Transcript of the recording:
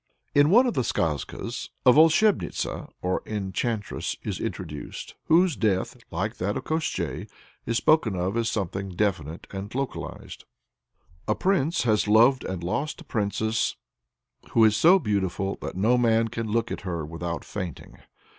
In one of the Skazkas, a volshebnitsa or enchantress is introduced, whose "death," like that of Koshchei, is spoken of as something definite and localized. A prince has loved and lost a princess, who is so beautiful that no man can look at her without fainting.